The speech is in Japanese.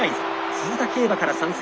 鈴田競馬から参戦。